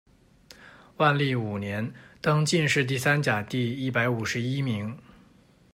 万历五年，登进士第三甲第一百五十一名。